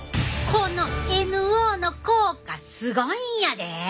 このＮＯの効果すごいんやでえ！